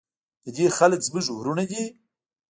د دې خلک زموږ ورونه دي؟